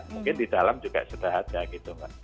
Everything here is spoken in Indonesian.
mungkin di dalam juga sudah ada gitu mbak